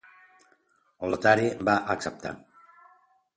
Lotari va acceptar.